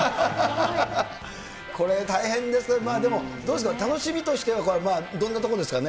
これ、大変ですが、でもどうですか、楽しみとしては、どんなとこですかね？